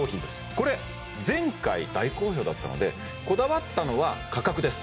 これ前回大好評だったのでこだわったのは価格です